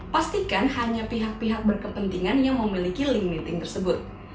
pastikan hanya pihak pihak berkepentingan yang memiliki link meeting tersebut